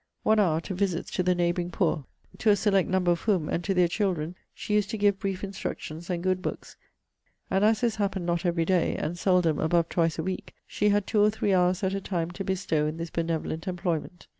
ONE hour to visits to the neighbouring poor; to a select number of whom, and to their children, she used to give brief instructions, and good books; and as this happened not every day, and seldom above twice a week, she had two or three hours at a time to bestow in this benevolent employment.